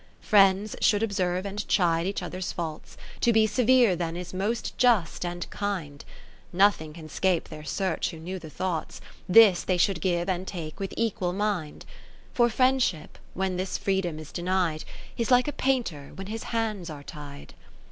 XII Friends should observe and chide each other's faults, To be severe then is most just and kind ; Nothing can 'scape their search who knew the thoughts : This they should give and take with equal mind. 70 For Friendship, when this freedom is denied, Is like a painter when his hands are tied.